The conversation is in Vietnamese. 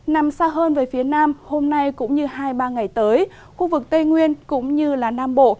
nằm xa hơn về phía nam hôm nay cũng như hai ba ngày tới khu vực tây nguyên cũng như nam bộ